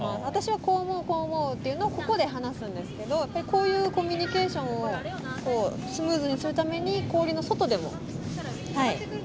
私はこう思うこう思うっていうのをここで話すんですけどこういうコミュニケーションをこうスムーズにするために氷の外でもはい。